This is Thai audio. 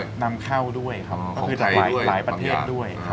ใช่นำข้าวด้วยครับก็คือสมัยแมากกับหลายประเทศด้วย